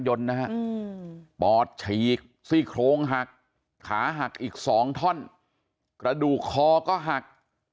ปอดฉีกซี่โครงหักขาหักอีก๒ท่อนกระดูกคอก็หัก